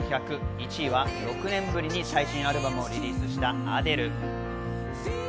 １位は６年ぶりに最新アルバムをリリースしたアデル。